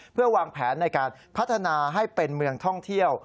เพื่อวางแผนในการพัฒนาให้เป็นเมืองท่องเที่ยว